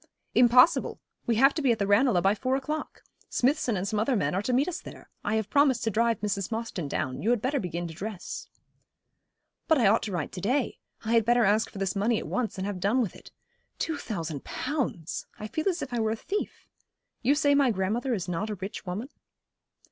'Impossible. We have to be at the Ranelagh by four o'clock. Smithson and some other men are to meet us there. I have promised to drive Mrs. Mostyn down. You had better begin to dress.' 'But I ought to write to day. I had better ask for this money at once, and have done with it. Two thousand pounds! I feel as if I were a thief. You say my grandmother is not a rich woman?'